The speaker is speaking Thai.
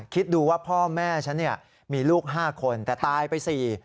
คิดดูว่าพ่อแม่ฉันเนี่ยมีลูก๕คนแต่ตายไป๔